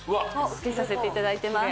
つけさせていただいてます